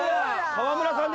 ・川村さん？